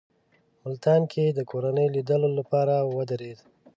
ملتان کې یې د کورنۍ لیدلو لپاره ودرېد.